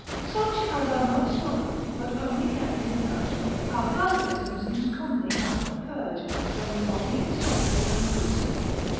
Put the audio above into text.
Such as are not swallowed, but only kept in the mouth, are gargarisms used commonly after a purge, when the body is soluble and loose.